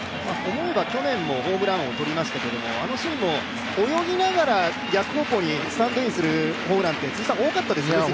思えば去年もホームラン王とりましたけど、泳ぎながら逆方向にスタンドインするホームランって多かったですよね。